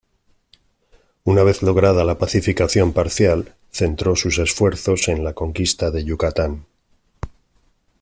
Una vez lograda la pacificación parcial, centró sus esfuerzos en la conquista de Yucatán.